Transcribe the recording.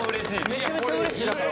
めちゃめちゃうれしいだから俺。